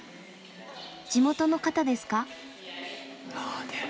地元の方ですか？